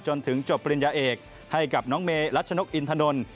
จนถึงจบปริญญาเอกให้กับน้องเมรัชนกอินทนนท์